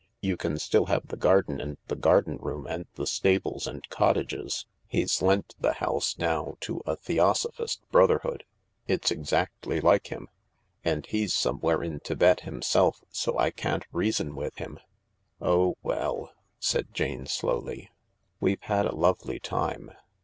You can still have the garden and the garden room and the stables and cottages. He's lent the house now to a Theosophist Brotherhood. It's exactly like him. And he's somewhere in Thibet himself, so I can't reason with him." " Oh well," said Jane slowly, " we've had a lovely time.